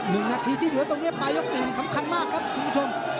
หนึ่งนาทีที่เหลือตรงนี้ปลายยกสี่สำคัญมากครับคุณผู้ชม